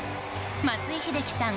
松井秀喜さん